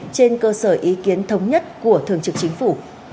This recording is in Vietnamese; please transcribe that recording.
trên cơ sở ý kiến thống nhất của thường trực chính phủ